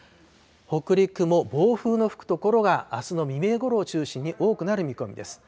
北陸も暴風の吹く所が、あすの未明ごろを中心に多くなる見込みです。